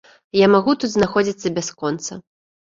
Я магу тут знаходзіцца бясконца.